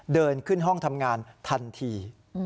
เดินขึ้นห้องทำงานทันที